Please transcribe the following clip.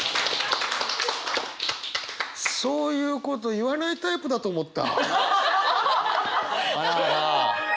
そういうこと言わないタイプだと思った。